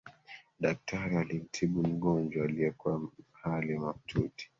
Daktari alimtibu mgonjwa aliyekuwa hali mahututi